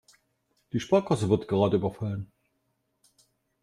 Die Sparkasse wird gerade überfallen.